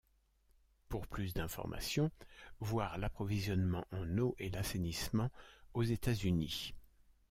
Pour plus d'informations, voir l'approvisionnement en eau et l'assainissement aux États-Unis.